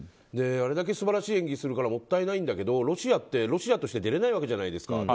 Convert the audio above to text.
あれだけ素晴らしい演技するからもったいないんだけどロシアってロシアとして出れないわけじゃないですか。